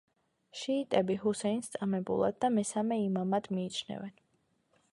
შიიტები ჰუსეინს წამებულად და მესამე იმამად მიიჩნევენ.